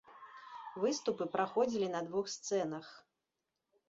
Выступы праходзілі на двух сцэнах.